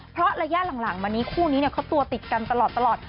เพราะระยะหลังมานี้คู่นี้เขาตัวติดกันตลอด